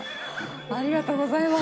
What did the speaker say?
ありがとうございます。